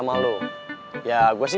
ya udah dibiliki